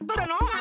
あ。